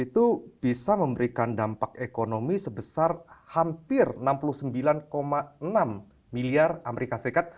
itu bisa memberikan dampak ekonomi sebesar hampir enam puluh sembilan enam miliar amerika serikat